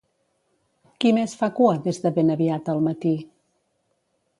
Qui més fa cua des de ben aviat al matí?